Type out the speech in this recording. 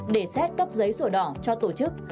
để xét cấp giấy sổ đỏ cho tổ chức